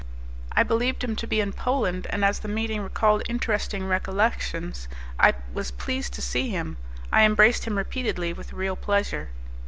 I believed him to be in Poland, and as the meeting recalled interesting recollections I was pleased to see him. I embraced him repeatedly with real pleasure.